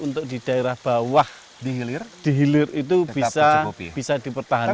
untuk di daerah bawah dihilir itu bisa dipertahankan